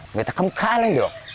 người ta không khai lên được